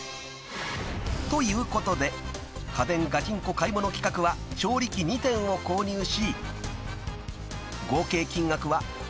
［ということで家電ガチンコ買い物企画は調理器２点を購入し］